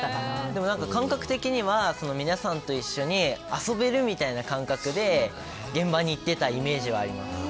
でも何か、感覚的には皆さんと一緒に遊べるみたいな感覚で現場に行ってたイメージあります。